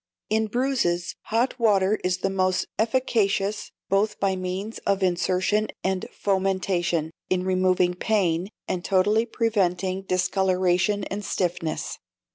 In bruises, hot water is the most efficacious, both by means of insertion and fomentation, in removing pain, and totally preventing discoloration and stiffness.